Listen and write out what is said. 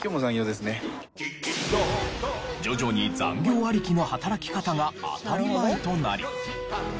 徐々に残業ありきの働き方が当たり前となり。